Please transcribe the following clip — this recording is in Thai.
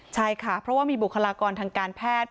ใช่ค่ะเพราะว่ามีบุคลากรทางการแพทย์